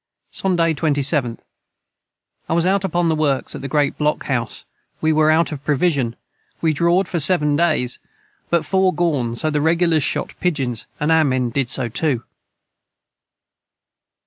Sonday 27. I was out upon the works at the great Block House we were out of provision we drawed for 7 days & but 4 gorn so the regalers shot Pigeons and our men did so to.